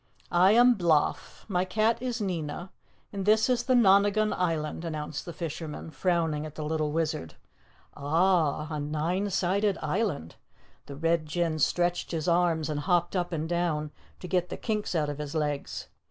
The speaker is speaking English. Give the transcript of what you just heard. "I am Bloff, my cat is Nina, and this is the Nonagon Island," announced the fisherman, frowning at the little Wizard. "Ah, a nine sided island!" The Red Jinn stretched his arms and hopped up and down to get the kinks out of his legs.